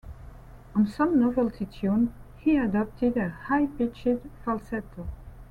On some novelty tunes he adopted a high-pitched falsetto.